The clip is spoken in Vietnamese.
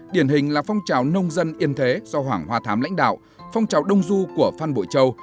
điển hình là phong trào nông dân yên thế do hoàng hoa thám lãnh đạo phong trào đông du của phan bội châu